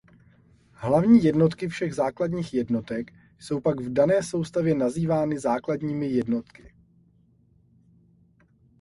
Hlavní jednotky všech základních jednotek jsou pak v dané soustavě nazývány základními jednotky.